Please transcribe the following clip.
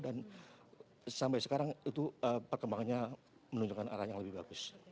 dan sampai sekarang itu perkembangannya menunjukkan arah yang lebih bagus